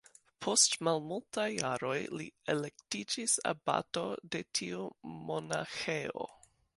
Post malmultaj jaroj li elektiĝis abato de tiu monaĥejo.